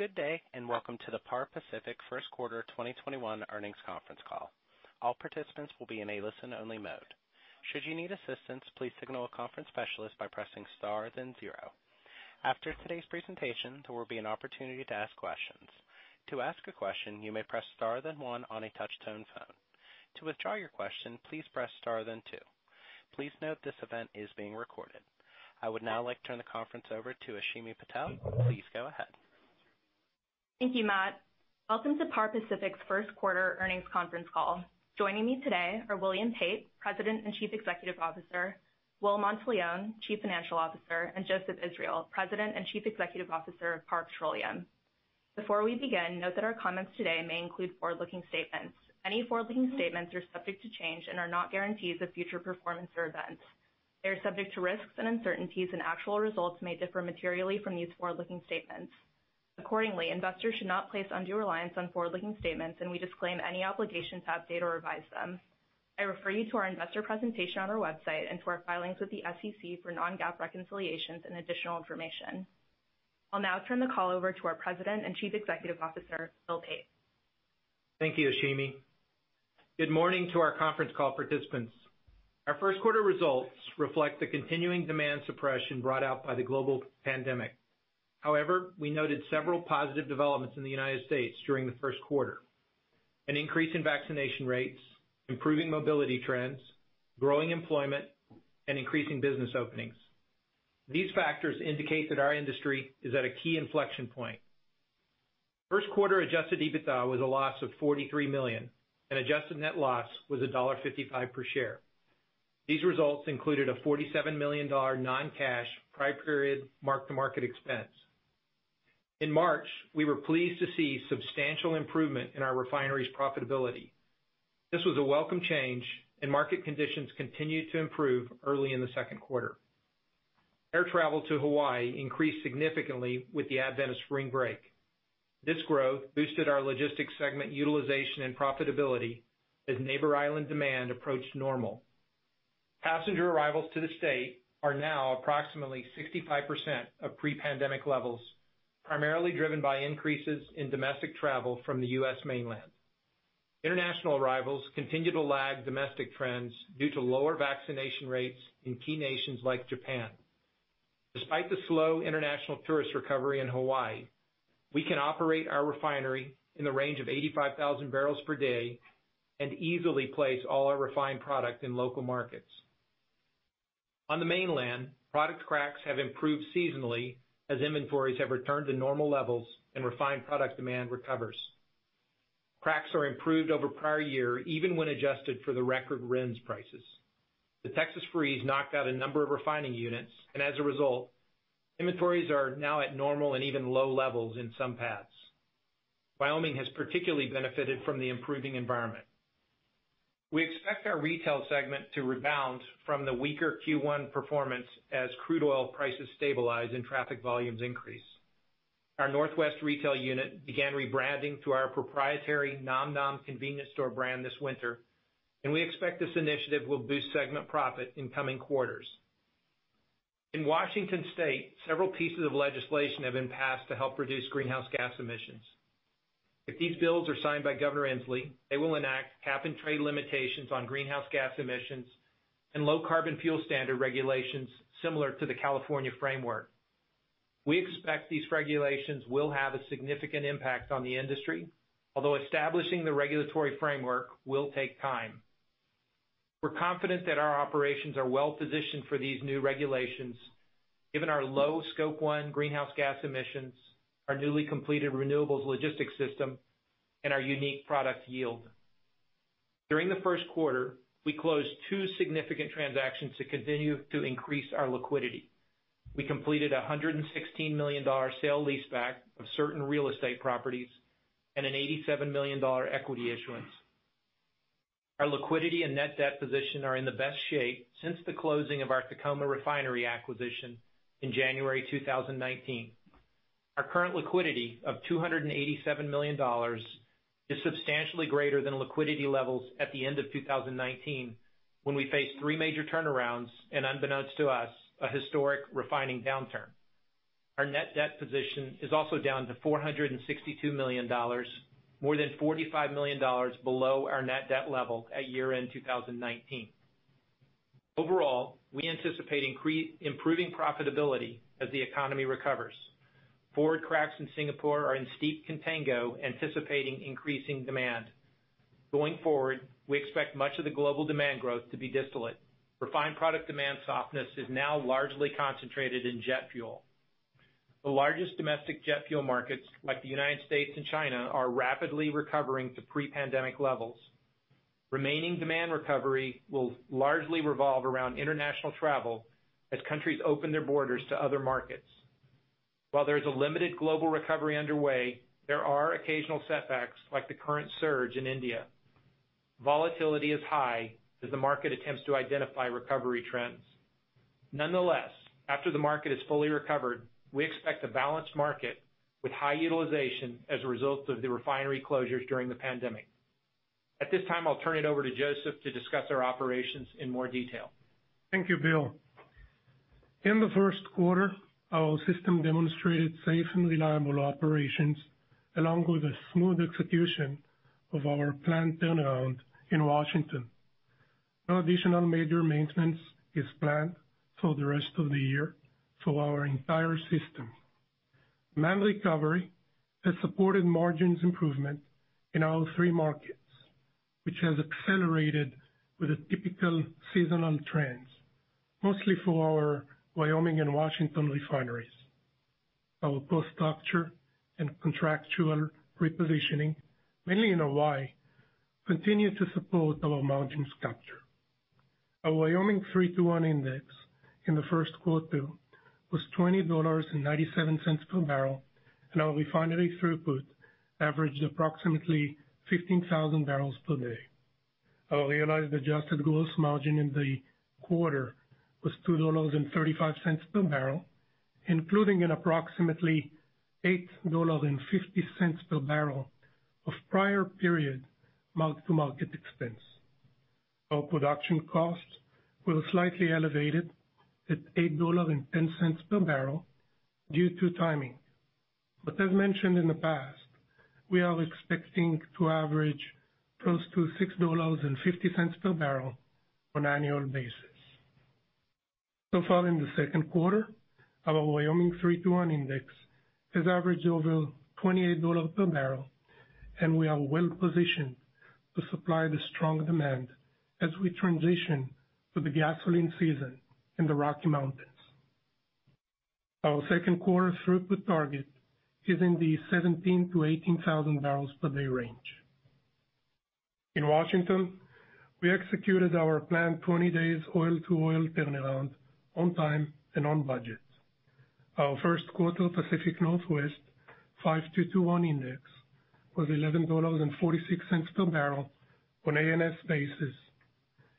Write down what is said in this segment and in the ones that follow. Good day, and welcome to the Par Pacific first quarter 2021 earnings conference call. All participants will be in a listen-only mode. Should you need assistance, please signal a conference specialist by pressing star then zero. After today's presentation, there will be an opportunity to ask questions. To ask a question, you may press star then one on a touch-tone phone. To withdraw your question, please press star then two. Please note this event is being recorded. I would now like to turn the conference over to Ashimi Patel. Please go ahead. Thank you, Matt. Welcome to Par Pacific's First Quarter Earnings Conference Call. Joining me today are William Pate, President and Chief Executive Officer; Will Monteleone, Chief Financial Officer; and Joseph Israel, President and Chief Executive Officer of Par Petroleum. Before we begin, note that our comments today may include forward-looking statements. Any forward-looking statements are subject to change and are not guarantees of future performance or events. They are subject to risks and uncertainties, and actual results may differ materially from these forward-looking statements. Accordingly, investors should not place undue reliance on forward-looking statements, and we disclaim any obligation to update or revise them. I refer you to our investor presentation on our website and to our filings with the SEC for non-GAAP reconciliations and additional information. I'll now turn the call over to our President and Chief Executive Officer, Will Pate. Thank you, Ashimi. Good morning to our conference call participants. Our first quarter results reflect the continuing demand suppression brought out by the global pandemic. However, we noted several positive developments in the United States during the first quarter: an increase in vaccination rates, improving mobility trends, growing employment, and increasing business openings. These factors indicate that our industry is at a key inflection point. First quarter adjusted EBITDA was a loss of $43 million, and adjusted net loss was $1.55 per share. These results included a $47 million non-cash prior-period mark-to-market expense. In March, we were pleased to see substantial improvement in our refineries' profitability. This was a welcome change, and market conditions continued to improve early in the second quarter. Air travel to Hawaii increased significantly with the advent of spring break. This growth boosted our logistics segment utilization and profitability as neighbor island demand approached normal. Passenger arrivals to the state are now approximately 65% of pre-pandemic levels, primarily driven by increases in domestic travel from the U.S. mainland. International arrivals continue to lag domestic trends due to lower vaccination rates in key nations like Japan. Despite the slow international tourist recovery in Hawaii, we can operate our refinery in the range of 85,000 barrels per day and easily place all our refined product in local markets. On the mainland, product cracks have improved seasonally as inventories have returned to normal levels and refined product demand recovers. Cracks are improved over prior year even when adjusted for the record RINs prices. The Texas freeze knocked out a number of refining units, and as a result, inventories are now at normal and even low levels in some pads. Wyoming has particularly benefited from the improving environment. We expect our retail segment to rebound from the weaker Q1 performance as crude oil prices stabilize and traffic volumes increase. Our Northwest retail unit began rebranding to our proprietary non-convenience store brand this winter, and we expect this initiative will boost segment profit in coming quarters. In Washington State, several pieces of legislation have been passed to help reduce greenhouse gas emissions. If these bills are signed by Governor Inslee, they will enact cap-and-trade limitations on greenhouse gas emissions and low-carbon fuel standard regulations similar to the California framework. We expect these regulations will have a significant impact on the industry, although establishing the regulatory framework will take time. We're confident that our operations are well-positioned for these new regulations, given our low Scope 1 greenhouse gas emissions, our newly completed renewables logistics system, and our unique product yield. During the first quarter, we closed two significant transactions to continue to increase our liquidity. We completed a $116 million sale leaseback of certain real estate properties and an $87 million equity issuance. Our liquidity and net debt position are in the best shape since the closing of our Tacoma refinery acquisition in January 2019. Our current liquidity of $287 million is substantially greater than liquidity levels at the end of 2019 when we faced three major turnarounds and, unbeknownst to us, a historic refining downturn. Our net debt position is also down to $462 million, more than $45 million below our net debt level at year-end 2019. Overall, we anticipate improving profitability as the economy recovers. Forward cracks in Singapore are in steep contango, anticipating increasing demand. Going forward, we expect much of the global demand growth to be distillate. Refined product demand softness is now largely concentrated in jet fuel. The largest domestic jet fuel markets, like the United States and China, are rapidly recovering to pre-pandemic levels. Remaining demand recovery will largely revolve around international travel as countries open their borders to other markets. While there is a limited global recovery underway, there are occasional setbacks, like the current surge in India. Volatility is high as the market attempts to identify recovery trends. Nonetheless, after the market has fully recovered, we expect a balanced market with high utilization as a result of the refinery closures during the pandemic. At this time, I'll turn it over to Joseph to discuss our operations in more detail. Thank you, Will. In the first quarter, our system demonstrated safe and reliable operations, along with a smooth execution of our planned turnaround in Washington. No additional major maintenance is planned for the rest of the year for our entire system. Manned recovery has supported margins improvement in all three markets, which has accelerated with the typical seasonal trends, mostly for our Wyoming and Washington refineries. Our cost structure and contractual repositioning, mainly in Hawaii, continue to support our margins capture. Our Wyoming 3-2-1 index in the first quarter was $20.97 per barrel, and our refinery throughput averaged approximately 15,000 barrels per day. Our realized adjusted gross margin in the quarter was $2.35 per barrel, including an approximately $8.50 per barrel of prior-period mark-to-market expense. Our production costs were slightly elevated at $8.10 per barrel due to timing. As mentioned in the past, we are expecting to average close to $6.50 per barrel on an annual basis. So far, in the second quarter, our Wyoming 3-2-11 index has averaged over $28 per barrel, and we are well-positioned to supply the strong demand as we transition to the gasoline season in the Rocky Mountains. Our second quarter throughput target is in the 17,000-18,000 barrels per day range. In Washington, we executed our planned 20 days oil-to-oil turnaround on time and on budget. Our first quarter Pacific Northwest 5-2-1 index was $11.46 per barrel on an A&S basis,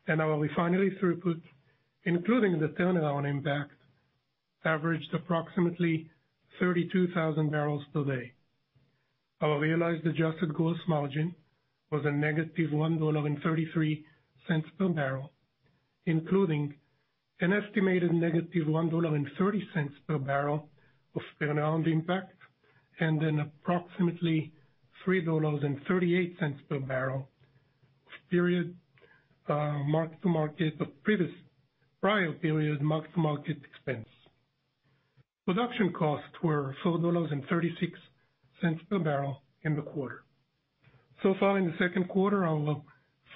and our refinery throughput, including the turnaround impact, averaged approximately 32,000 barrels per day. Our realized adjusted gross margin was a -$1.33 per barrel, including an estimated negative $1.30 per barrel of turnaround impact and approximately $3.38 per barrel of mark-to-market of prior-period mark-to-market expense. Production costs were $4.36 per barrel in the quarter. So far, in the second quarter, our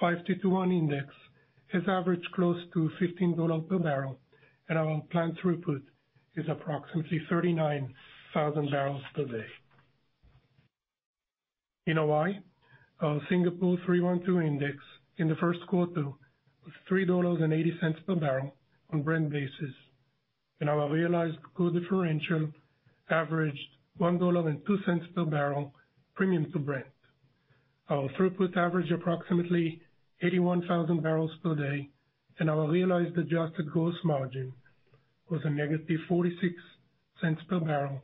5-2-1 index has averaged close to $15 per barrel, and our planned throughput is approximately 39,000 barrels per day. In Hawaii, our Singapore 3-1-2 index in the first quarter was $3.80 per barrel on a Brent basis, and our realized core differential averaged $1.02 per barrel premium to Brent. Our throughput averaged approximately 81,000 barrels per day, and our realized adjusted gross margin was a -$0.46 per barrel,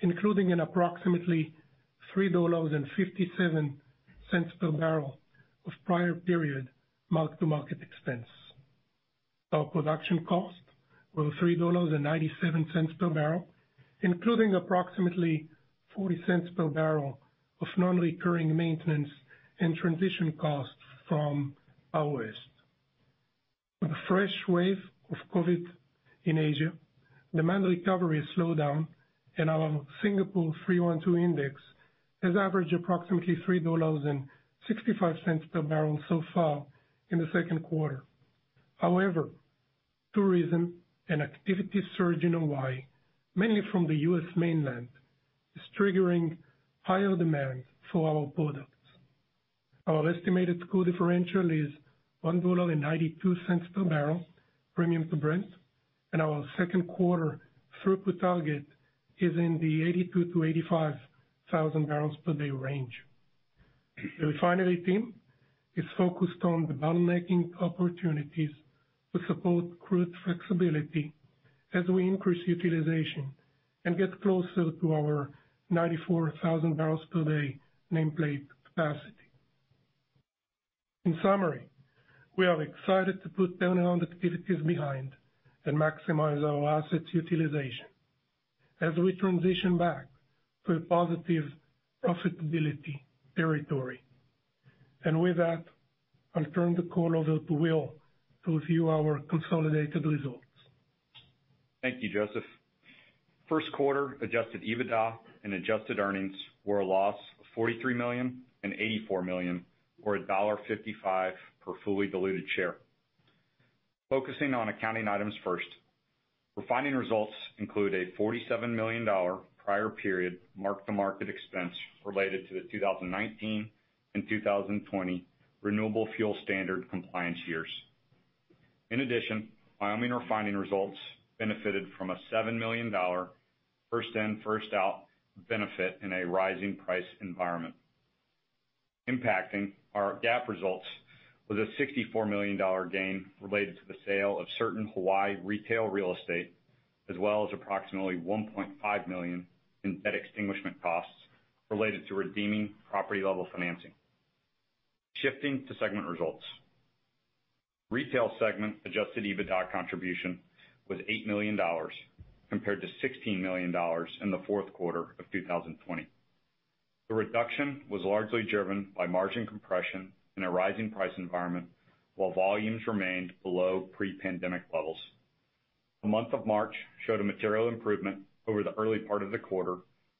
including an approximately $3.57 per barrel of prior-period mark-to-market expense. Our production costs were $3.97 per barrel, including approximately $0.40 per barrel of non-recurring maintenance and transition costs from our west. With the fresh wave of COVID in Asia, demand recovery has slowed down, and our Singapore 3-1-2 index has averaged approximately $3.65 per barrel so far in the second quarter. However, tourism and activity surge in Hawaii, mainly from the U.S. mainland, is triggering higher demand for our products. Our estimated core differential is $1.92 per barrel premium to Brent, and our second quarter throughput target is in the 82,000-85,000 barrels per day range. The refinery team is focused on bottlenecking opportunities to support crude flexibility as we increase utilization and get closer to our 94,000 barrels per day nameplate capacity. In summary, we are excited to put turnaround activities behind and maximize our assets utilization as we transition back to a positive profitability territory. I will turn the call over to Will to review our consolidated results. Thank you, Joseph. First quarter adjusted EBITDA and adjusted earnings were a loss of $43 million and $84 million, or $1.55 per fully diluted share. Focusing on accounting items first, refining results include a $47 million prior-period mark-to-market expense related to the 2019 and 2020 renewable fuel standard compliance years. In addition, Wyoming refining results benefited from a $7 million first-in-first-out benefit in a rising price environment. Impacting our GAAP results was a $64 million gain related to the sale of certain Hawaii retail real estate, as well as approximately $1.5 million in debt extinguishment costs related to redeeming property-level financing. Shifting to segment results, retail segment adjusted EBITDA contribution was $8 million, compared to $16 million in the fourth quarter of 2020. The reduction was largely driven by margin compression in a rising price environment, while volumes remained below pre-pandemic levels. The month of March showed a material improvement over the early part of the quarter,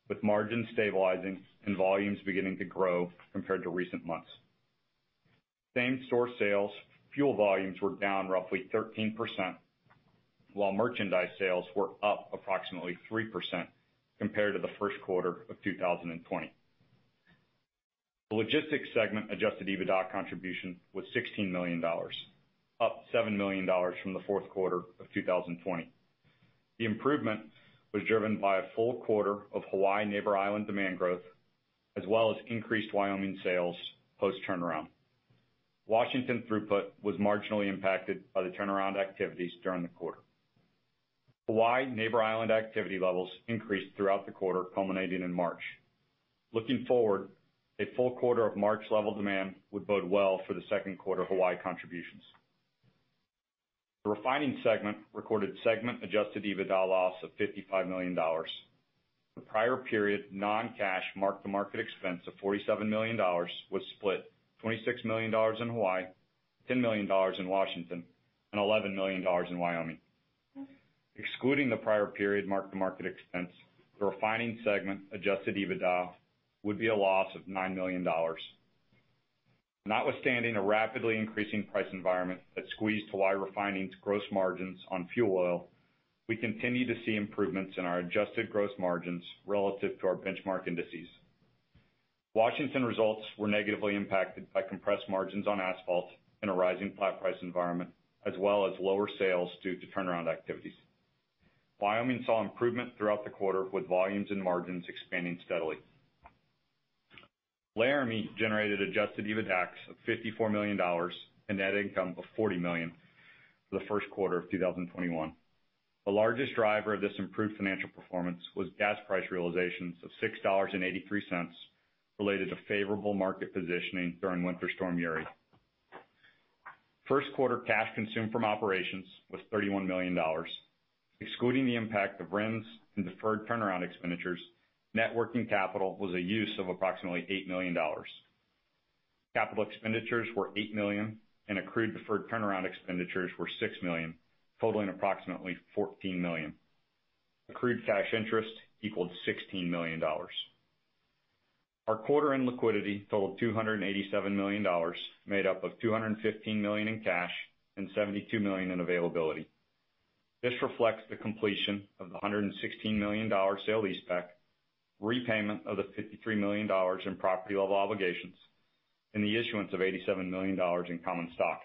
with margins stabilizing and volumes beginning to grow compared to recent months. Same-store sales fuel volumes were down roughly 13%, while merchandise sales were up approximately 3% compared to the first quarter of 2020. The logistics segment adjusted EBITDA contribution was $16 million, up $7 million from the fourth quarter of 2020. The improvement was driven by a full quarter of Hawaii neighbor island demand growth, as well as increased Wyoming sales post-turnaround. Washington throughput was marginally impacted by the turnaround activities during the quarter. Hawaii neighbor island activity levels increased throughout the quarter, culminating in March. Looking forward, a full quarter of March-level demand would bode well for the second quarter Hawaii contributions. The refining segment recorded segment-adjusted EBITDA loss of $55 million. The prior-period non-cash mark-to-market expense of $47 million was split: $26 million in Hawaii, $10 million in Washington, and $11 million in Wyoming. Excluding the prior-period mark-to-market expense, the refining segment adjusted EBITDA would be a loss of $9 million. Notwithstanding a rapidly increasing price environment that squeezed Hawaii refining's gross margins on fuel oil, we continue to see improvements in our adjusted gross margins relative to our benchmark indices. Washington results were negatively impacted by compressed margins on asphalt in a rising flat price environment, as well as lower sales due to turnaround activities. Wyoming saw improvement throughout the quarter, with volumes and margins expanding steadily. Laramie generated adjusted EBITDA of $54 million and net income of $40 million for the first quarter of 2021. The largest driver of this improved financial performance was gas price realizations of $6.83 related to favorable market positioning during winter storm Uri. First quarter cash consumed from operations was $31 million. Excluding the impact of RINs and deferred turnaround expenditures, net working capital was a use of approximately $8 million. Capital expenditures were $8 million, and accrued deferred turnaround expenditures were $6 million, totaling approximately $14 million. Accrued cash interest equaled $16 million. Our quarter-end liquidity totaled $287 million, made up of $215 million in cash and $72 million in availability. This reflects the completion of the $116 million sale leaseback, repayment of the $53 million in property-level obligations, and the issuance of $87 million in common stock.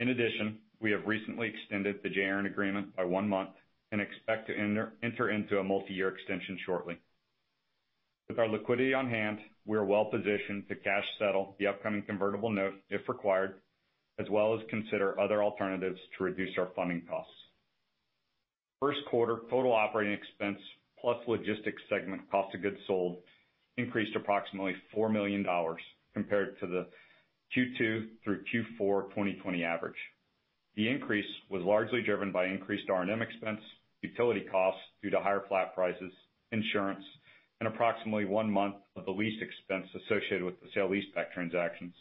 In addition, we have recently extended the JRN agreement by one month and expect to enter into a multi-year extension shortly. With our liquidity on hand, we are well-positioned to cash settle the upcoming convertible note if required, as well as consider other alternatives to reduce our funding costs. First quarter total operating expense plus logistics segment cost of goods sold increased approximately $4 million compared to the Q2 through Q4 2020 average. The increase was largely driven by increased R&M expense, utility costs due to higher flat prices, insurance, and approximately one month of the lease expense associated with the sale lease pack transactions,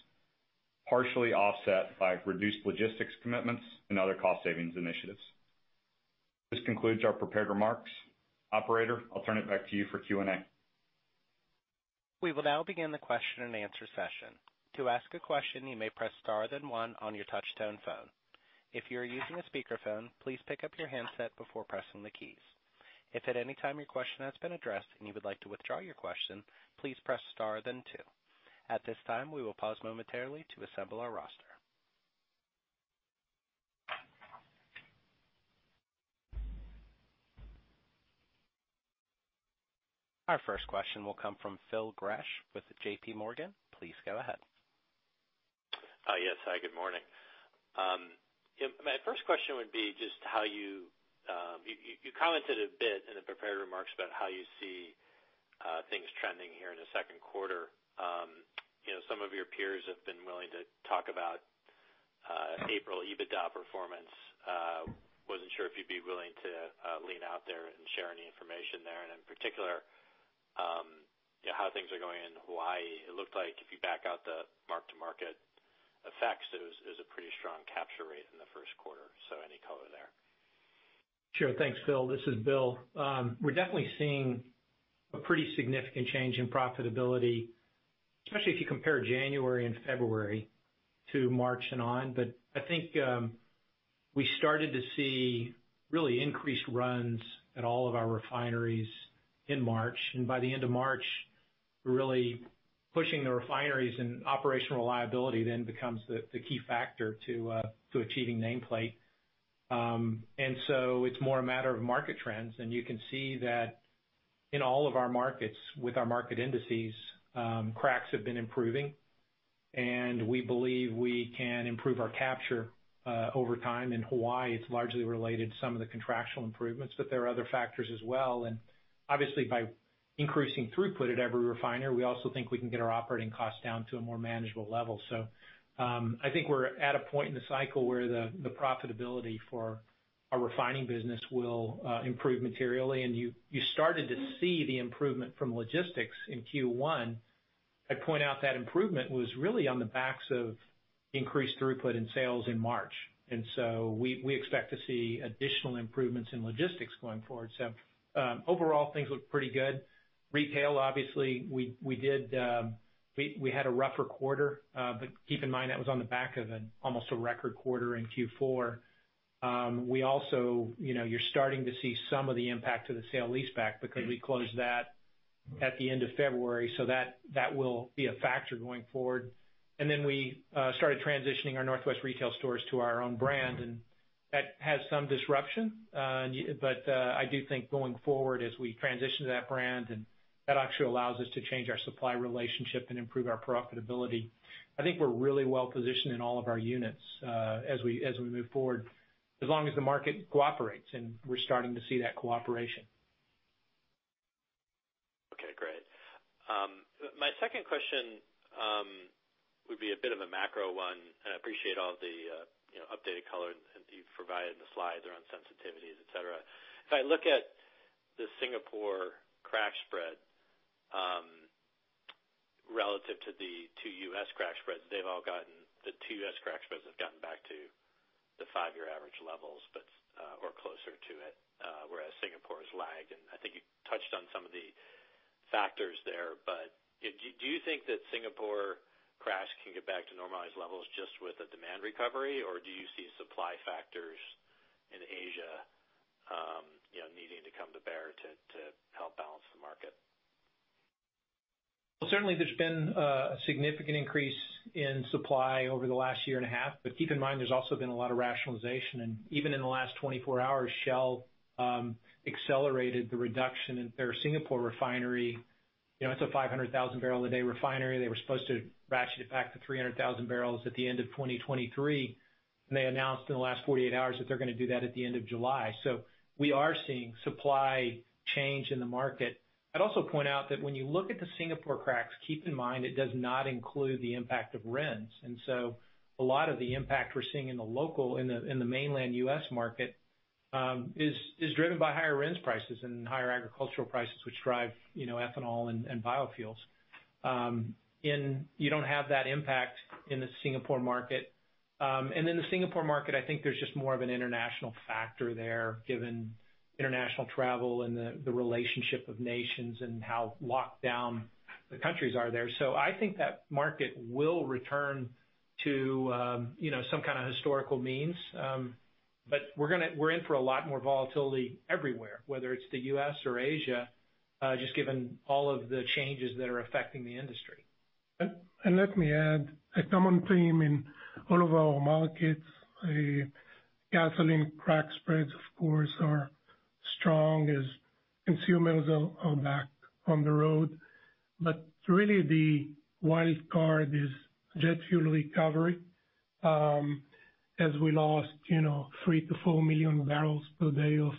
partially offset by reduced logistics commitments and other cost savings initiatives. This concludes our prepared remarks. Operator, I'll turn it back to you for Q&A. We will now begin the question-and-answer session. To ask a question, you may press star then one on your touch-tone phone. If you are using a speakerphone, please pick up your handset before pressing the keys. If at any time your question has been addressed and you would like to withdraw your question, please press star then two. At this time, we will pause momentarily to assemble our roster. Our first question will come from Phil Gresh with J.P/ Morgan. Please go ahead. Yes. Hi, good morning. My first question would be just how you commented a bit in the prepared remarks about how you see things trending here in the second quarter. Some of your peers have been willing to talk about April EBITDA performance. I wasn't sure if you'd be willing to lean out there and share any information there. In particular, how things are going in Hawaii. It looked like if you back out the mark-to-market effects, there was a pretty strong capture rate in the first quarter. Any color there? Sure. Thanks, Phil. This is Will. We're definitely seeing a pretty significant change in profitability, especially if you compare January and February to March and on. I think we started to see really increased runs at all of our refineries in March. By the end of March, we're really pushing the refineries, and operational reliability then becomes the key factor to achieving nameplate. It is more a matter of market trends. You can see that in all of our markets with our market indices, cracks have been improving, and we believe we can improve our capture over time. In Hawaii, it's largely related to some of the contractual improvements, but there are other factors as well. Obviously, by increasing throughput at every refiner, we also think we can get our operating costs down to a more manageable level. I think we're at a point in the cycle where the profitability for our refining business will improve materially. You started to see the improvement from logistics in Q1. I'd point out that improvement was really on the backs of increased throughput and sales in March. We expect to see additional improvements in logistics going forward. Overall, things look pretty good. Retail, obviously, we had a rougher quarter. Keep in mind that was on the back of almost a record quarter in Q4. You're starting to see some of the impact of the sale lease pack because we closed that at the end of February. That will be a factor going forward. We started transitioning our Northwest retail stores to our own brand. That has some disruption. I do think going forward, as we transition to that brand, that actually allows us to change our supply relationship and improve our profitability. I think we're really well-positioned in all of our units as we move forward, as long as the market cooperates. We're starting to see that cooperation. Okay. Great. My second question would be a bit of a macro one. I appreciate all the updated color that you've provided in the slides around sensitivities, etc. If I look at the Singapore crack spread relative to the two U.S. crack spreads, they've all gotten, the two U.S. crack spreads have gotten back to the five-year average levels or closer to it, whereas Singapore has lagged. I think you touched on some of the factors there. Do you think that Singapore cracks can get back to normalized levels just with a demand recovery, or do you see supply factors in Asia needing to come to bear to help balance the market? There has been a significant increase in supply over the last year and a half. Keep in mind, there has also been a lot of rationalization. Even in the last 24 hours, Shell accelerated the reduction in their Singapore refinery. It is a 500,000 barrel a day refinery. They were supposed to ratchet it back to 300,000 barrels at the end of 2023. They announced in the last 48 hours that they are going to do that at the end of July. We are seeing supply change in the market. I would also point out that when you look at the Singapore cracks, keep in mind it does not include the impact of RINs. A lot of the impact we are seeing in the mainland U.S. market is driven by higher RINs prices and higher agricultural prices, which drive ethanol and biofuels. You do not have that impact in the Singapore market. In the Singapore market, I think there is just more of an international factor there, given international travel and the relationship of nations and how locked down the countries are there. I think that market will return to some kind of historical means. We are in for a lot more volatility everywhere, whether it is the U.S. or Asia, just given all of the changes that are affecting the industry. Let me add, a common theme in all of our markets, gasoline crack spreads, of course, are strong as consumers are back on the road. Really, the wild card is jet fuel recovery, as we lost three to four million barrels per day of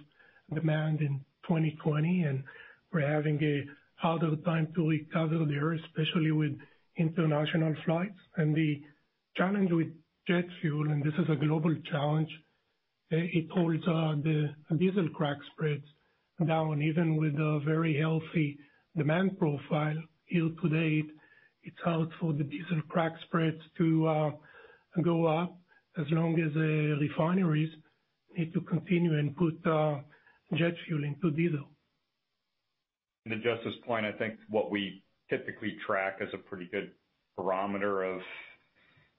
demand in 2020. We are having a harder time to recover there, especially with international flights. The challenge with jet fuel, and this is a global challenge, is it holds the diesel crack spreads down. Even with a very healthy demand profile here to date, it is hard for the diesel crack spreads to go up as long as the refineries need to continue and put jet fuel into diesel. To Joseph's point, I think what we typically track as a pretty good barometer of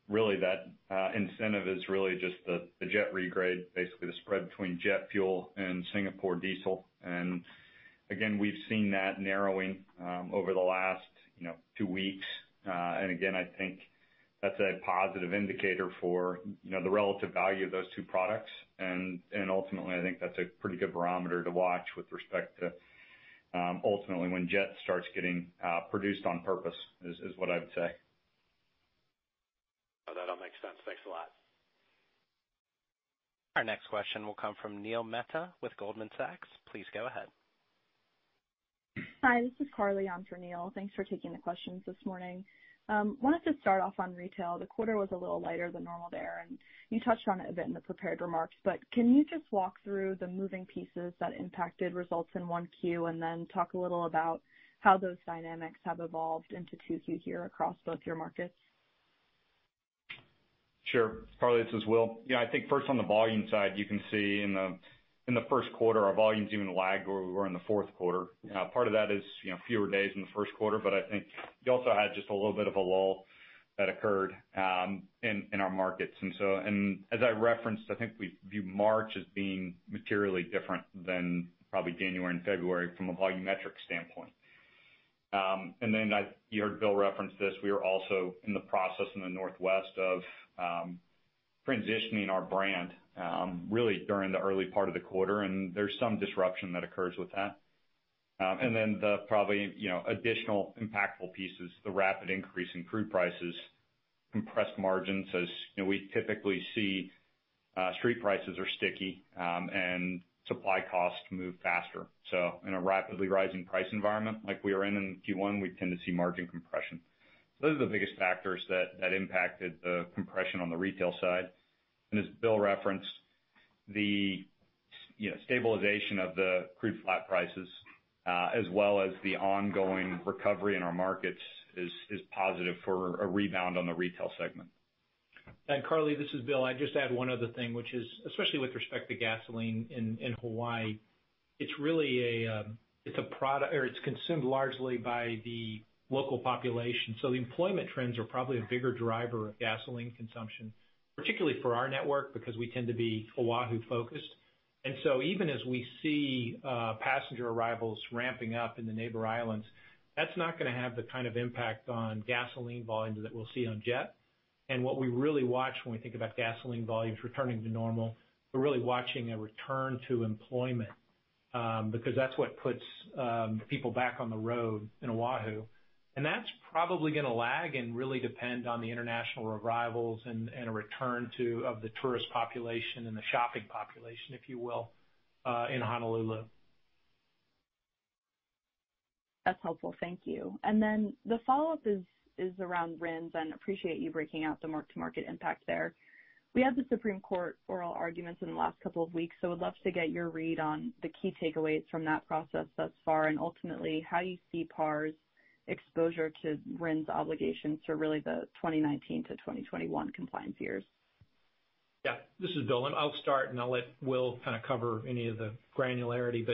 really that incentive is really just the jet regrade, basically the spread between jet fuel and Singapore diesel. We have seen that narrowing over the last two weeks. I think that is a positive indicator for the relative value of those two products. Ultimately, I think that is a pretty good barometer to watch with respect to ultimately when jet starts getting produced on purpose, is what I would say. That all makes sense. Thanks a lot. Our next question will come from Neil Mehta with Goldman Sachs. Please go ahead. Hi, this is Carly on for Neil. Thanks for taking the questions this morning. I wanted to start off on retail. The quarter was a little lighter than normal there. You touched on it a bit in the prepared remarks. Can you just walk through the moving pieces that impacted results in one Q and then talk a little about how those dynamics have evolved into two Q here across both your markets? Sure. Carly, this is Will. Yeah, I think first on the volume side, you can see in the first quarter, our volumes even lagged where we were in the fourth quarter. Part of that is fewer days in the first quarter. I think you also had just a little bit of a lull that occurred in our markets. As I referenced, I think we view March as being materially different than probably January and February from a volumetric standpoint. You heard Will reference this. We were also in the process in the Northwest of transitioning our brand really during the early part of the quarter. There is some disruption that occurs with that. The probably additional impactful piece is the rapid increase in crude prices, compressed margins. As we typically see, street prices are sticky, and supply costs move faster. In a rapidly rising price environment like we are in in Q1, we tend to see margin compression. Those are the biggest factors that impacted the compression on the retail side. As Will referenced, the stabilization of the crude flat prices, as well as the ongoing recovery in our markets, is positive for a rebound on the retail segment. Carly, this is Will. I'd just add one other thing, which is especially with respect to gasoline in Hawaii. It's really a product or it's consumed largely by the local population. The employment trends are probably a bigger driver of gasoline consumption, particularly for our network because we tend to be Oʻahu-focused. Even as we see passenger arrivals ramping up in the neighbor islands, that's not going to have the kind of impact on gasoline volumes that we'll see on jet. What we really watch when we think about gasoline volumes returning to normal, we're really watching a return to employment because that's what puts people back on the road in Oʻahu. That's probably going to lag and really depend on the international arrivals and a return of the tourist population and the shopping population, if you will, in Honolulu. That's helpful. Thank you. The follow-up is around RINs. I appreciate you breaking out the mark-to-market impact there. We had the Supreme Court oral arguments in the last couple of weeks. I would love to get your read on the key takeaways from that process thus far and ultimately how you see Par's exposure to RINs obligations for really the 2019-2021 compliance years. Yeah. This is Bill. I'll start, and I'll let Will kind of cover any of the granularity.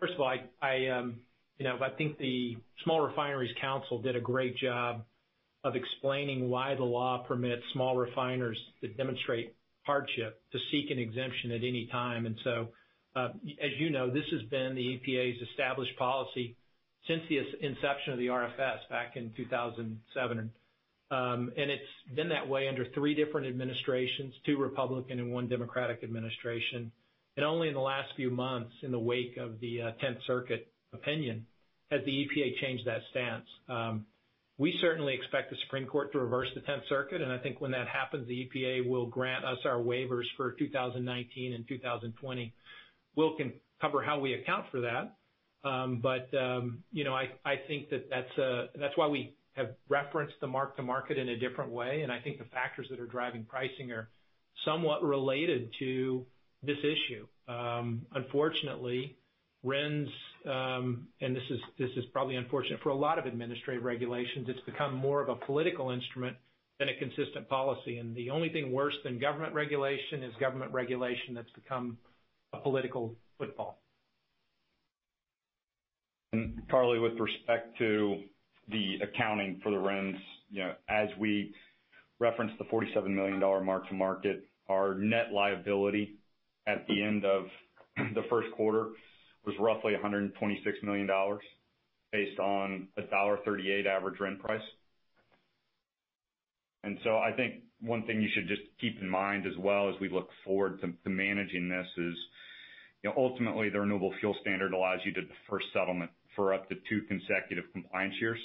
First of all, I think the Small Refineries Council did a great job of explaining why the law permits small refiners that demonstrate hardship to seek an exemption at any time. As you know, this has been the EPA's established policy since the inception of the RFS back in 2007. It's been that way under three different administrations, two Republican and one Democratic administration. Only in the last few months, in the wake of the Tenth Circuit opinion, has the EPA changed that stance. We certainly expect the Supreme Court to reverse the Tenth Circuit. I think when that happens, the EPA will grant us our waivers for 2019 and 2020. Will can cover how we account for that. I think that that's why we have referenced the mark-to-market in a different way. I think the factors that are driving pricing are somewhat related to this issue. Unfortunately, RINs, and this is probably unfortunate for a lot of administrative regulations, it's become more of a political instrument than a consistent policy. The only thing worse than government regulation is government regulation that's become a political football. Carly, with respect to the accounting for the RINs, as we referenced the $47 million mark-to-market, our net liability at the end of the first quarter was roughly $126 million based on a $1.38 average RIN price. I think one thing you should just keep in mind as well as we look forward to managing this is ultimately, the Renewable Fuel Standard allows you to defer settlement for up to two consecutive compliance years.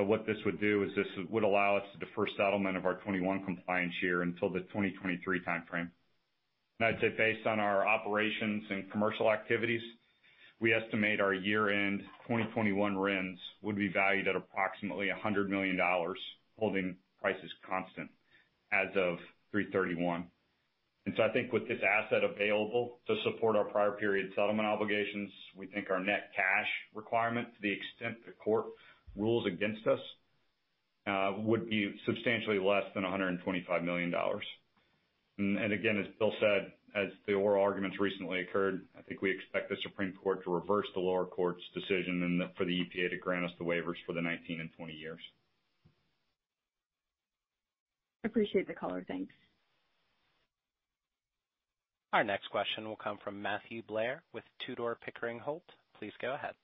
What this would do is this would allow us to defer settlement of our 2021 compliance year until the 2023 timeframe. I would say based on our operations and commercial activities, we estimate our year-end 2021 RINs would be valued at approximately $100 million, holding prices constant as of 3/31. I think with this asset available to support our prior-period settlement obligations, we think our net cash requirement, to the extent the court rules against us, would be substantially less than $125 million. Again, as Bill said, as the oral arguments recently occurred, I think we expect the Supreme Court to reverse the lower court's decision and for the EPA to grant us the waivers for the 2019 and 2020 years. I appreciate the color. Thanks. Our next question will come from Matthew Blair with Tudor, Pickering, Holt. Please go ahead.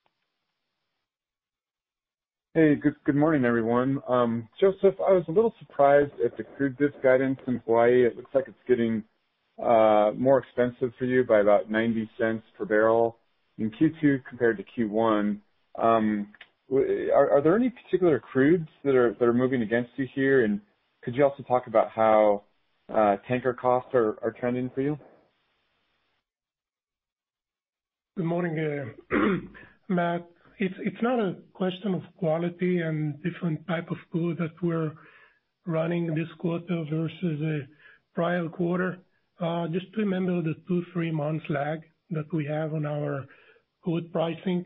Hey, good morning, everyone. Joseph, I was a little surprised at the crude discount in Hawaii. It looks like it's getting more expensive for you by about $0.90 per barrel in Q2 compared to Q1. Are there any particular crudes that are moving against you here? Could you also talk about how tanker costs are trending for you? Good morning, Matt. It's not a question of quality and different type of crude that we're running this quarter versus the prior quarter. Just remember the two, three-month lag that we have on our crude pricing.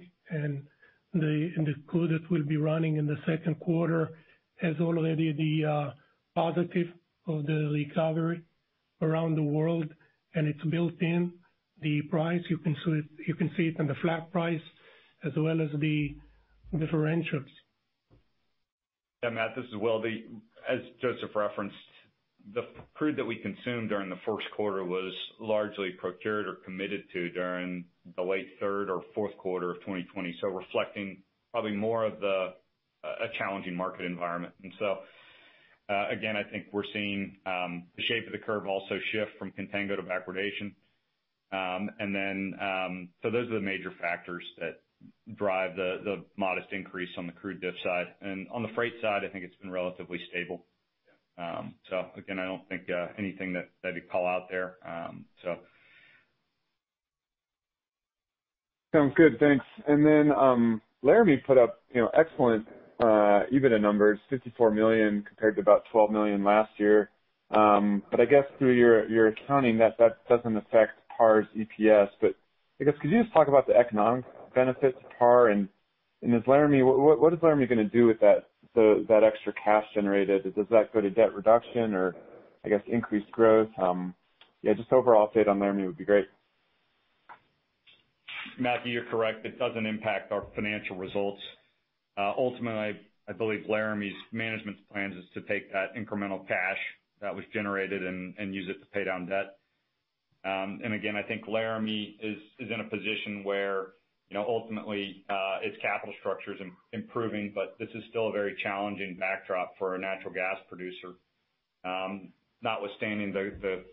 The crude that will be running in the second quarter has already the positive of the recovery around the world. It's built in the price. You can see it in the flat price as well as the differentials. Yeah, Matt. This is Will. As Joseph referenced, the crude that we consumed during the first quarter was largely procured or committed to during the late third or fourth quarter of 2020, so reflecting probably more of a challenging market environment. I think we're seeing the shape of the curve also shift from contango to backwardation. Those are the major factors that drive the modest increase on the crude dis side. On the freight side, I think it's been relatively stable. I don't think anything that I could call out there. Sounds good. Thanks. Laurie put up excellent EBITDA numbers, $54 million compared to about $12 million last year. I guess through your accounting, that does not affect PAR's EPS. I guess could you just talk about the economic benefits of PAR? Is Laurie—what is Laurie going to do with that extra cash generated? Does that go to debt reduction or, I guess, increased growth? Just overall update on Laurie would be great. Matthew, you're correct. It doesn't impact our financial results. Ultimately, I believe Laramie management's plan is to take that incremental cash that was generated and use it to pay down debt. I think Laramie is in a position where ultimately its capital structure is improving. This is still a very challenging backdrop for a natural gas producer, notwithstanding the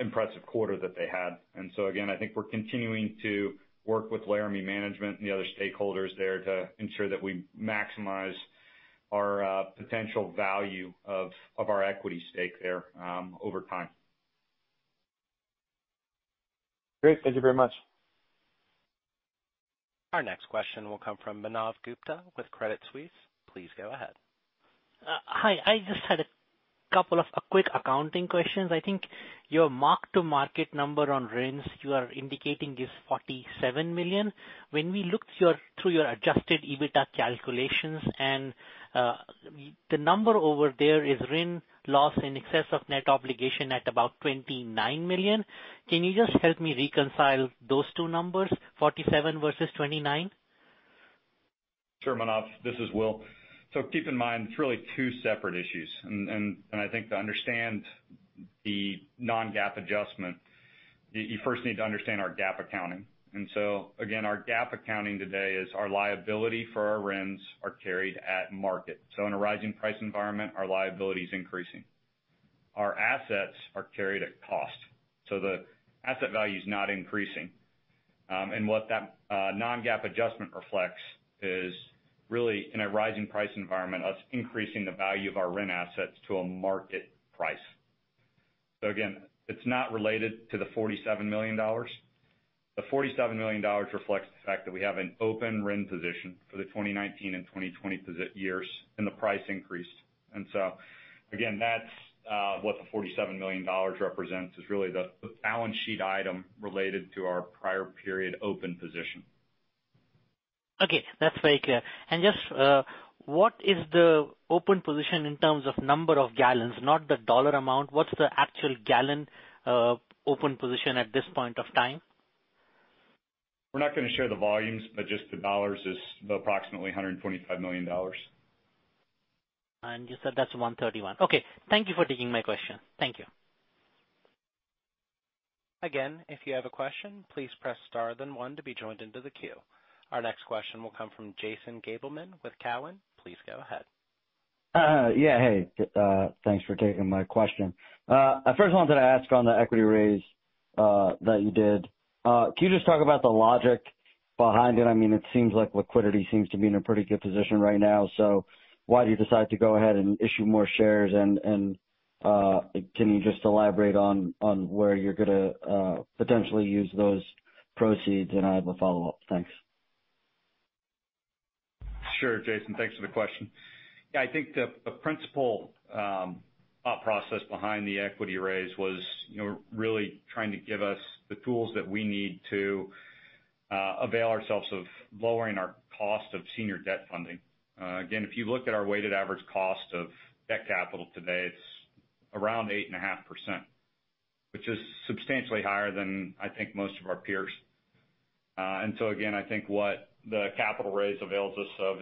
impressive quarter that they had. I think we're continuing to work with Laramie management and the other stakeholders there to ensure that we maximize our potential value of our equity stake there over time. Great. Thank you very much. Our next question will come from Manav Gupta with Credit Suisse. Please go ahead. Hi. I just had a couple of quick accounting questions. I think your mark-to-market number on RINs you are indicating is $47 million. When we look through your adjusted EBITDA calculations, the number over there is RIN loss in excess of net obligation at about $29 million. Can you just help me reconcile those two numbers, $47 million versus $29 million? Sure, Manav. This is Will. Keep in mind, it's really two separate issues. I think to understand the non-GAAP adjustment, you first need to understand our GAAP accounting. Our GAAP accounting today is our liability for our RINs are carried at market. In a rising price environment, our liability is increasing. Our assets are carried at cost, so the asset value is not increasing. What that non-GAAP adjustment reflects is really in a rising price environment, us increasing the value of our RIN assets to a market price. It is not related to the $47 million. The $47 million reflects the fact that we have an open RIN position for the 2019 and 2020 years, and the price increased. That is what the $47 million represents, really the balance sheet item related to our prior-period open position. Okay. That's very clear. Just what is the open position in terms of number of gallons, not the dollar amount? What's the actual gallon open position at this point of time? We're not going to share the volumes, but just the dollars is approximately $125 million. You said that's 131. Okay. Thank you for taking my question. Thank you. Again, if you have a question, please press star then one to be joined into the queue. Our next question will come from Jason Gabelman with Cowen. Please go ahead. Yeah. Hey, thanks for taking my question. First, I wanted to ask on the equity raise that you did. Can you just talk about the logic behind it? I mean, it seems like liquidity seems to be in a pretty good position right now. Why did you decide to go ahead and issue more shares? Can you just elaborate on where you're going to potentially use those proceeds? I have a follow-up. Thanks. Sure, Jason. Thanks for the question. Yeah, I think the principal thought process behind the equity raise was really trying to give us the tools that we need to avail ourselves of lowering our cost of senior debt funding. Again, if you look at our weighted average cost of debt capital today, it's around 8.5%, which is substantially higher than I think most of our peers. I think what the capital raise avails us of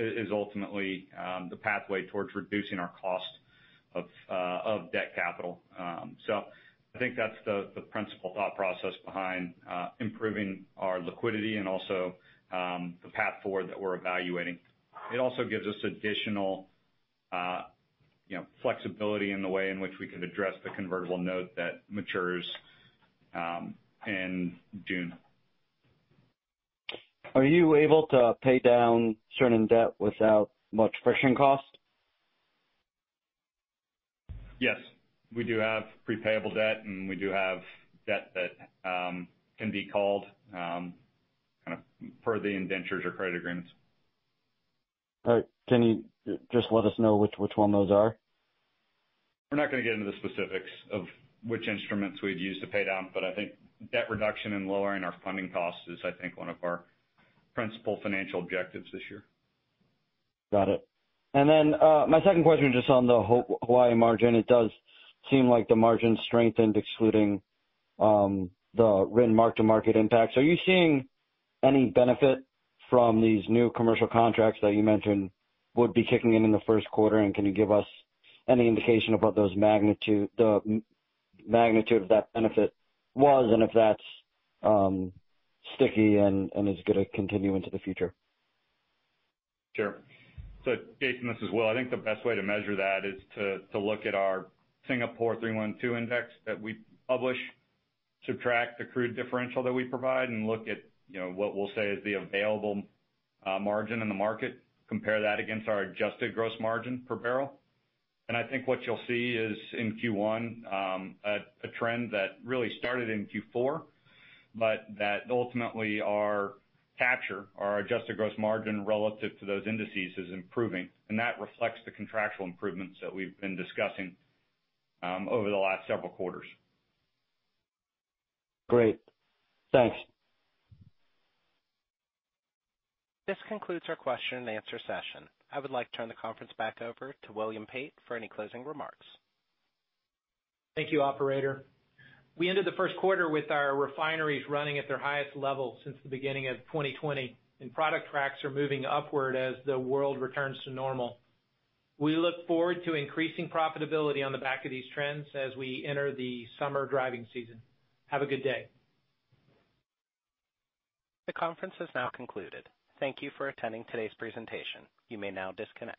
is ultimately the pathway towards reducing our cost of debt capital. I think that's the principal thought process behind improving our liquidity and also the path forward that we're evaluating. It also gives us additional flexibility in the way in which we could address the convertible note that matures in June. Are you able to pay down certain debt without much friction cost? Yes. We do have prepayable debt, and we do have debt that can be called kind of per the indentures or credit agreements. All right. Can you just let us know which ones those are? We're not going to get into the specifics of which instruments we'd use to pay down. I think debt reduction and lowering our funding costs is, I think, one of our principal financial objectives this year. Got it. My second question is just on the Hawaii margin. It does seem like the margin strengthened, excluding the RIN mark-to-market impacts. Are you seeing any benefit from these new commercial contracts that you mentioned would be kicking in in the first quarter? Can you give us any indication of what the magnitude of that benefit was and if that's sticky and is going to continue into the future? Sure. Jason, this is Will. I think the best way to measure that is to look at our Singapore 3-1-2 index that we publish, subtract the crude differential that we provide, and look at what we'll say is the available margin in the market, compare that against our adjusted gross margin per barrel. I think what you'll see is in Q1 a trend that really started in Q4, but that ultimately our capture, our adjusted gross margin relative to those indices is improving. That reflects the contractual improvements that we've been discussing over the last several quarters. Great. Thanks. This concludes our question and answer session. I would like to turn the conference back over to William Pate for any closing remarks. Thank you, Operator. We ended the first quarter with our refineries running at their highest level since the beginning of 2020, and product tracks are moving upward as the world returns to normal. We look forward to increasing profitability on the back of these trends as we enter the summer driving season. Have a good day. The conference has now concluded. Thank you for attending today's presentation. You may now disconnect.